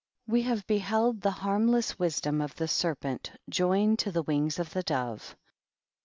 We have beheld the ham less wisdom of the serpent joined to the wings o the dove.